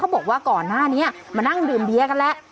บอกว่าก่อนหน้านี้มานั่งดื่มเบียร์กันแล้ว